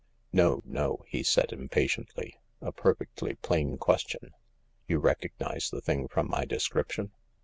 "No, no," he said impatiently; "a perfectly plain ques tion. You recognise the thing from my description